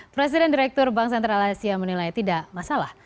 presiden direktur bank sentral asia menilai tidak masalah